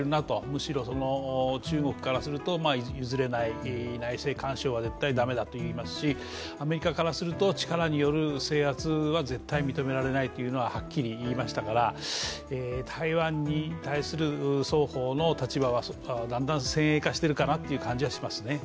むしろ中国からすると譲れない内政干渉は絶対駄目だといいますしアメリカからすると力による制圧は絶対認められないとはっきり言いましたから台湾に対する双方の立場はだんだん先鋭化しているかなという感じはしますね。